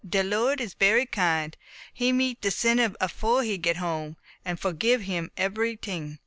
"De Lord is berry kind; he meet de sinner afore he get home, and forgib him ebbery ting."